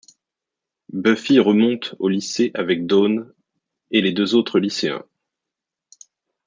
Buffy remonte au lycée avec Dawn et les deux autres lycéens.